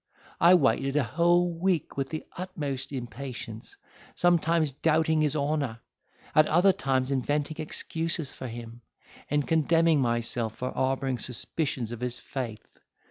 I waited a whole week with the utmost impatience; sometimes doubting his honour, at other times inventing excuses for him, and condemning myself for harbouring suspicions of his faith.